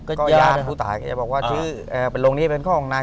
ก็ญาติผู้ตายก็จะบอกว่าโลงนี้เป็นข้องใคร